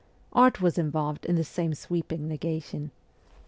Art was involved in the same sweeping negation.